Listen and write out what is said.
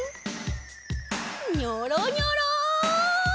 ニョロニョロ。